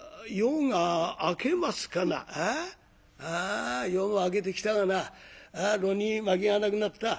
ああ夜も明けてきたがな炉に薪がなくなった」。